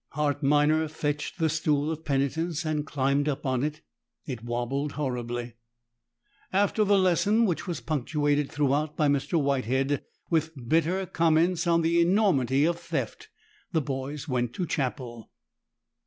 Hart Minor fetched the stool of penitence and climbed up on it. It wobbled horribly. After the lesson, which was punctuated throughout by Mr. Whitehead with bitter comments on the enormity of theft, the boys went to chapel.